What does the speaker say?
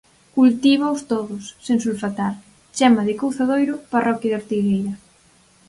Cultívaos todos, sen sulfatar, Chema de Couzadoiro, parroquia de Ortigueira.